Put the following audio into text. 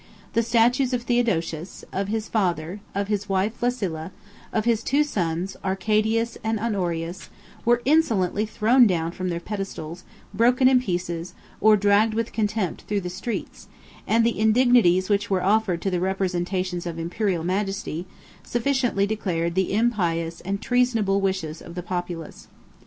The statues of Theodosius, of his father, of his wife Flaccilla, of his two sons, Arcadius and Honorius, were insolently thrown down from their pedestals, broken in pieces, or dragged with contempt through the streets; and the indignities which were offered to the representations of Imperial majesty, sufficiently declared the impious and treasonable wishes of the populace.